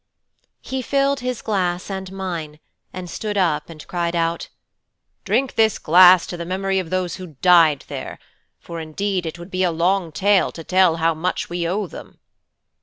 He filled his glass and mine, and stood up and cried out, "Drink this glass to the memory of those who died there, for indeed it would be a long tale to tell how much we owe them."